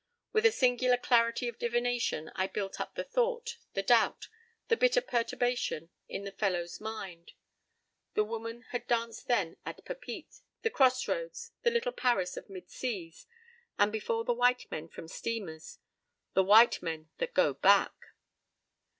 With a singular clarity of divination I built up the thought, the doubt, the bitter perturbation in the fellow's mind. The woman had danced then at Papeete, the cross roads, the little Paris of mid seas. And before the white men from steamers—the white men that go back!